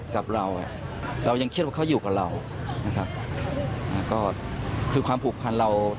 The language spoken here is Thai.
กับเราเรายังคิดว่าเขาอยู่กับเรานะครับก็คือความผูกพันเรา